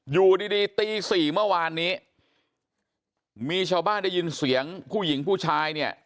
อยู่ดีดีตีสี่เมื่อวานนี้มีชาวบ้านได้ยินเสียงผู้หญิงผู้ชายเนี่ย